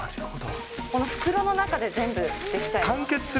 この袋の中で全部出来ちゃいます。